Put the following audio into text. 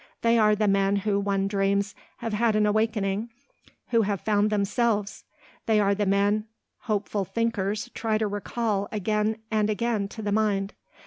They are the men who one dreams have had an awakening, who have found themselves; they are the men hopeful thinkers try to recall again and again to the mind.